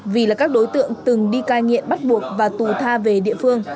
vì là các đối tượng từng đi cai nghiện bắt buộc và tù tha về địa phương